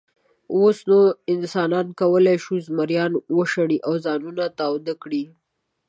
اوس نو انسانانو کولی شول، زمریان وشړي او ځانونه تاوده کړي.